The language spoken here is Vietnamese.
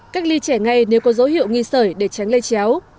mà trẻ ngay nếu có dấu hiệu nghi sởi để tránh lây chéo